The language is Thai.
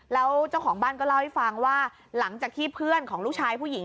แล้วเจ้าของบ้านก็เล่าให้ฟังว่าหลังจากที่เพื่อนของลูกชายผู้หญิง